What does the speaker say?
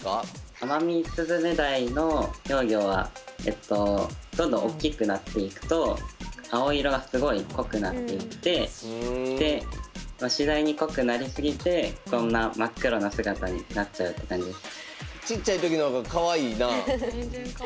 アマミスズメダイの幼魚はどんどん大きくなっていくと青色がすごい濃くなっていってしだいに濃くなりすぎてこんな真っ黒な姿になっちゃうって感じです。